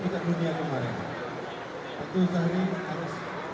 tidak pernah cari kencing di sana